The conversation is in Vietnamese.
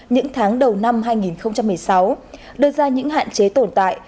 những tháng đầu năm hai nghìn một mươi sáu đưa ra những hạn chế tồn tại